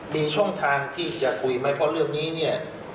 มีช่องทางที่จะคุยไหมเพราะเรื่องนี้เนี่ย